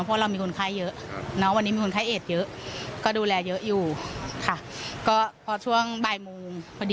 เป็นอย่างนั้นจริงหรอ